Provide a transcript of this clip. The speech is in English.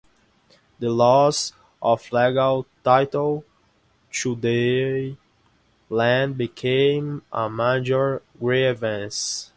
The loss of legal title to their land became a major grievance.